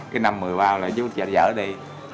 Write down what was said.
cứ năm một mươi bao là chú dỡ đi